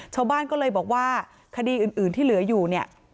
ชาวบ้านก็เลยบอกว่าคดีอื่นที่เหลืออยู่เนี่ย